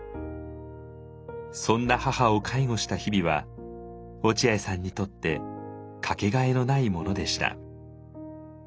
そんな母を介護した日々は落合さんにとって掛けがえのないものでした。